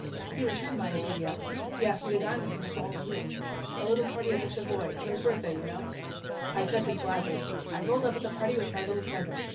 He returned my enthusiasm. He asked me to dine with him the following week. A little party at the Savoy his birthday, you know. I accepted gladly. I rolled up at the party with my little present...